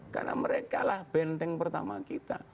karena merekalah benteng pertama kita